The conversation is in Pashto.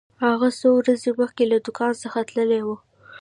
هغه څو ورځې مخکې له دکان څخه تللی و.